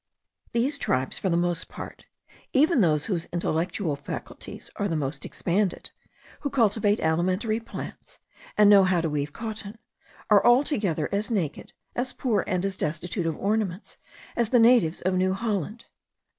These tribes for the most part, even those whose intellectual faculties are most expanded, who cultivate alimentary plants, and know how to weave cotton, are altogether as naked,* as poor, and as destitute of ornaments as the natives of New Holland.